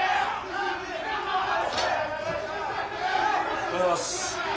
おはようございます。